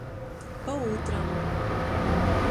Pa ūtram.